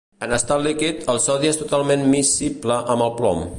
En estat líquid, el sodi és totalment miscible amb el plom.